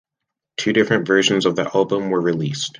Two different versions of the album were released.